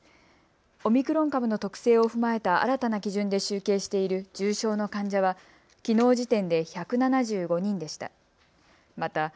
オミクロン株の特性を踏まえた新たな基準で集計している重症の患者はきのう時点で１７５人でした。